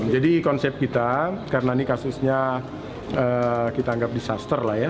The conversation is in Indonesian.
jadi konsep kita karena ini kasusnya kita anggap disaster lah ya